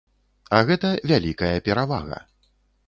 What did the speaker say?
А гэта вялікая перавага.